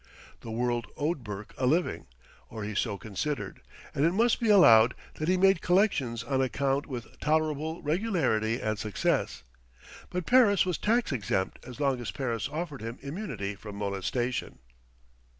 The world owed Bourke a living, or he so considered; and it must be allowed that he made collections on account with tolerable regularity and success; but Paris was tax exempt as long as Paris offered him immunity from molestation.